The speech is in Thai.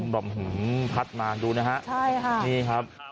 ลมบำหื้มพัดมาดูนะฮะนี่ครับ